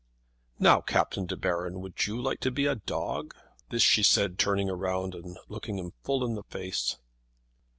"Now, Captain De Baron, would you like to be a dog?" This she said turning round and looking him full in the face.